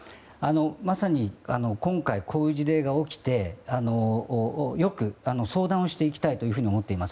まさに今回こういう事例が起きてよく相談をしていきたいというふうに思っています。